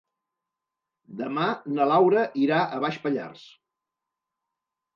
Demà na Laura irà a Baix Pallars.